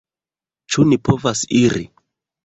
Ĉu ni povas iri?